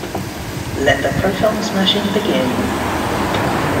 Let the Proton Smashing Begin.